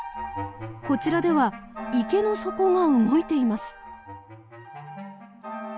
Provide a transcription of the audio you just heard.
こちらでは池の底が動いています。